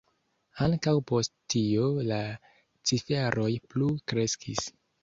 Ankaŭ post tio la ciferoj plu kreskis.